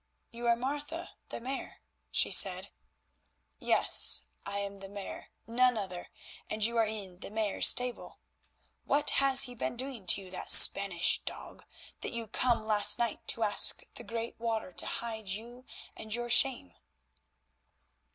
"You are Martha the Mare," she said. "Yes, I am the Mare, none other, and you are in the Mare's stable. What has he been doing to you, that Spanish dog, that you came last night to ask the Great Water to hide you and your shame?"